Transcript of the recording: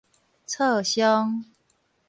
挫傷